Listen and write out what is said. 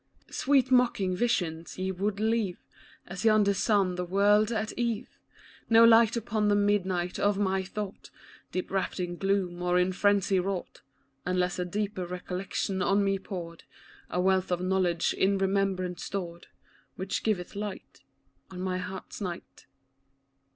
Sweet mocking visions ! Ye would leave, As yonder sun the world at eve, No light upon the midnight of my thought, Deep wrapped in gloom or into frenzy wrought, Unless a deeper recollection on me poured, A wealth of knowledge in remembrance stored, Which giveth light On my heart's night.